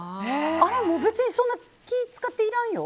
あれ、別にそんな気使っていらんよ。